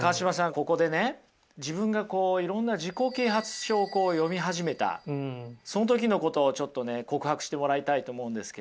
ここでね自分がこういろんな自己啓発書を読み始めたその時のことをちょっとね告白してもらいたいと思うんですけれども。